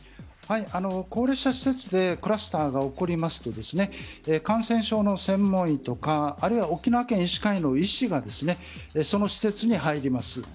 高齢者施設でクラスターが起こりますと感染症の専門医とかあるいは沖縄県医師会の医師がその施設に入ります。